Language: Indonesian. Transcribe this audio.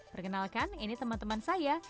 perkenalkan ini teman teman saya